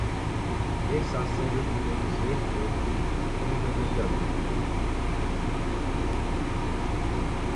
ეს ასევე ბუნების ერთ-ერთი ხელუხლებელი ადგილია.